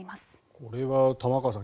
これは玉川さん